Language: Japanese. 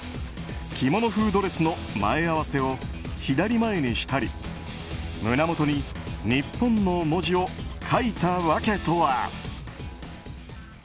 着物風ドレスの前合わせを左前にしたり胸元に「日本」の文字を書いた訳とは。